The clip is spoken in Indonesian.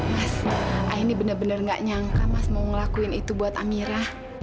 mas aini bener bener gak nyangka mas mau ngelakuin itu buat amira